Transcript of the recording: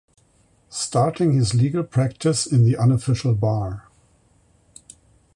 Starting his legal practice in the Unofficial bar.